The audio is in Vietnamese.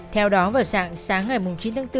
theo đó vợ sạng sáng ngày chín tháng bốn